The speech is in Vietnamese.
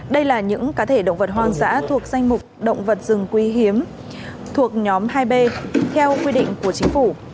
đây là những cá thể động vật hoang dã thuộc danh mục động vật rừng quý hiếm thuộc nhóm hai b theo quy định của chính phủ